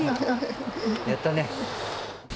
やったね。